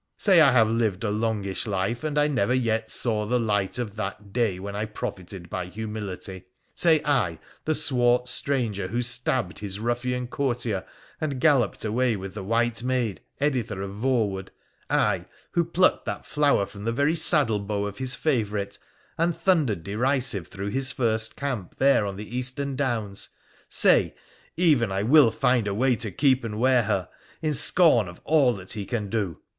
Say I have lived a longish life, and I never yet saw the light of that day when I profited by humility. Say I, the swart stranger who stabbed his ruffian courtier and galloped away with the white maid, Editha of Voewood — I, who plucked that flower from the very saddle bow of his favourite, and thundered derisive through his first camp there on the eastern downs — say, even I will find a way to keep and wear her, in scorn of all that he can do